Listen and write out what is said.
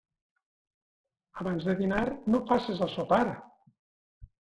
Abans de dinar no faces el sopar.